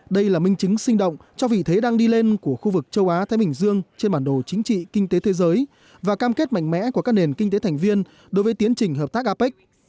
đây là minh chứng sinh động cho vị thế đang đi lên của khu vực châu á thái bình dương trên bản đồ chính trị kinh tế thế giới và cam kết mạnh mẽ của các nền kinh tế thành viên đối với tiến trình hợp tác apec